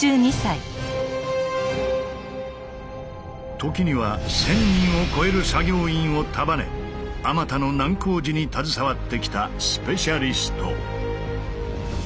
時には１，０００人を超える作業員を束ねあまたの難工事に携わってきたスペシャリスト。